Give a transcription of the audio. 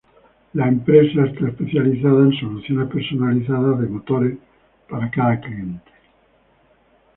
La empresa está especializada en soluciones personalizadas de motores para cada cliente.